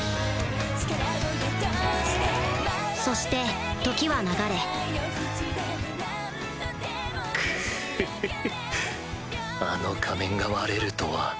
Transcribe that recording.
そして時は流れクフフフあの仮面が割れるとは。